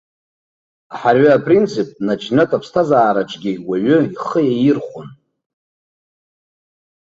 Аҳарҩа апринцип наџьнатә аԥсҭазаараҿгьы уаҩы ихы иаирхәон.